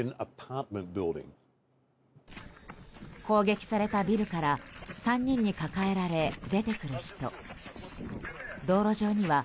攻撃されたビルから３人に抱えられ出てくる人。